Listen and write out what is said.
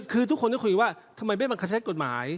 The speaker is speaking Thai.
คือทุกคนก็คุยว่าทำไมไม่บังคับใช้กฎหมาย